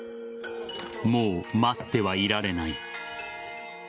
もう待ってはいられない。